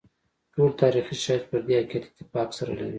ټول تاریخي شواهد پر دې حقیقت اتفاق سره لري.